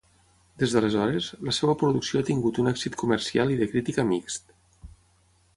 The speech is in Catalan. Des d'aleshores, la seva producció ha tingut un èxit comercial i de crítica mixt.